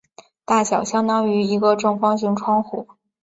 大小相当于一个正方形窗户。